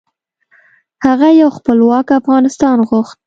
هغه یو خپلواک افغانستان غوښت .